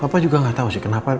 bapak juga gak tau sih